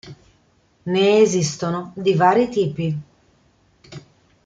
Ne esistono di vari tipi.